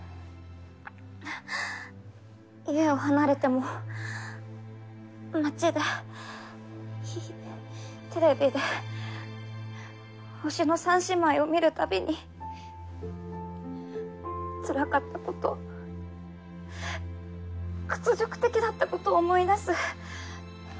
はぁ家を離れても街でテレビで「星の三姉妹」を見る度につらかったこと屈辱的だったことを思い出す。